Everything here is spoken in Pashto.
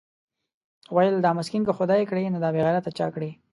ويل دا مسکين که خداى کړې دا بېغيرته نو چا کړې؟